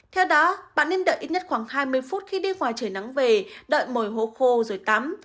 theo đó bạn nên đợi ít nhất khoảng hai mươi phút khi đi ngoài trời nắng về đợi mồi hồ khô rồi tắm